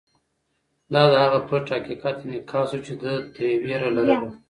دا د هغه پټ حقیقت انعکاس و چې ده ترې وېره لرله.